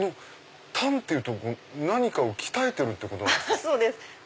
「鍛」っていうと何かを鍛えてるってことなんですか？